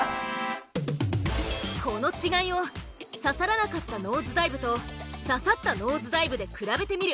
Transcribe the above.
この違いを刺さらなかったノーズダイブと刺さったノーズダイブで比べてみる。